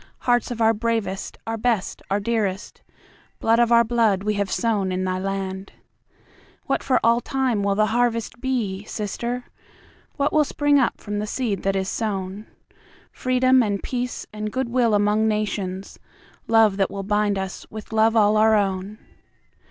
Hearts of our bravest, our best, and our dearest, Blood of our blood we have sown in thy land. What for all time will the harvest be, Sister? What will spring up from the seed that is sown? Freedom and peace and goodwill among Nations, Love that will bind us with love all our own.